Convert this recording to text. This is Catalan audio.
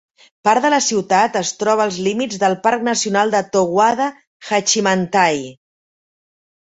Part de la ciutat es troba als límits del parc nacional de Towada-Hachimantai.